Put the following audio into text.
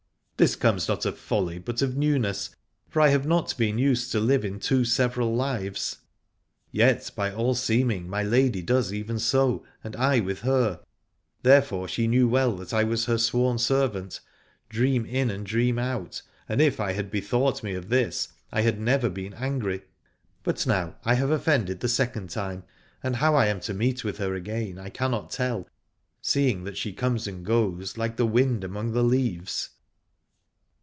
This comes not of folly but of new ness, for I have not been used to live in two several lives. Yet by all seeming my lady does even so, and I with her: therefore she knew well that I was her sworn servant, dream in and dream out, and if I had be thought me of this I had never been angry. But now I have offended the second time, and how I am to meet with her again I cannot tell, seeing that she comes and goes like the wind among the leaves.